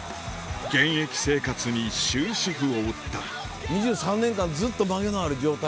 現役生活に終止符を打った２３年間ずっとまげのある状態で。